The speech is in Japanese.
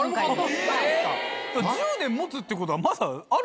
１０年持つってことは。